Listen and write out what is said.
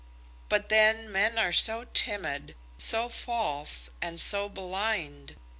But then men are so timid, so false, and so blind!